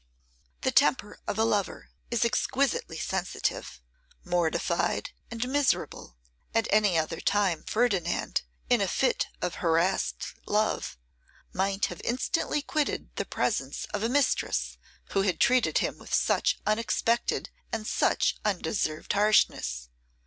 The temper of a lover is exquisitely sensitive. Mortified and miserable, at any other time Ferdinand, in a fit of harassed love, might have instantly quitted the presence of a mistress who had treated him with such unexpected and such undeserved harshness.